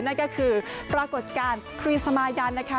นั่นก็คือปรากฏการณ์ครีสมายันนะคะ